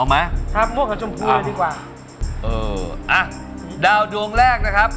ไหมครับมั่วกับชมพูเลยดีกว่าเอออ่ะดาวดวงแรกนะครับ